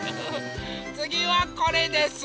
つぎはこれです。